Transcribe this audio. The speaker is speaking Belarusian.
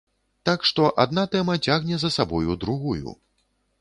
Так што адна тэма цягне за сабою другую.